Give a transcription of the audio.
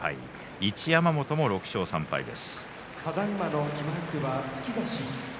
一山本も６勝３敗です。